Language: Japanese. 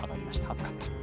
暑かった。